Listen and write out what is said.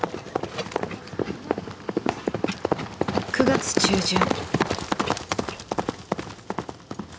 ９月中旬。